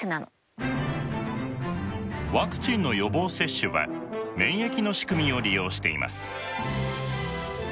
ワクチンの予防接種は免疫の仕組みを利用しています。